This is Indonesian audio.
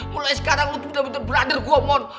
mulai sekarang lo tuh bener bener brother gua mon